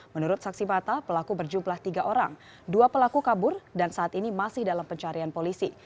menurut saksi mata pelaku berjumlah tiga orang dua pelaku kabur dan saat ini masih dalam pencarian polisi